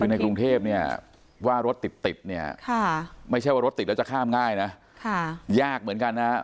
ในกรุงเทพเนี่ยว่ารถติดเนี่ยไม่ใช่ว่ารถติดแล้วจะข้ามง่ายนะยากเหมือนกันนะ